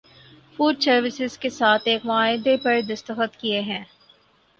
food services کے ساتھ ایک معاہدے پر دستخط کیے ہیں